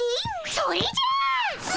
それじゃ！ス！